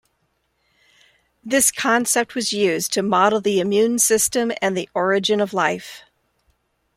This concept was used to model the immune system and the origin of life.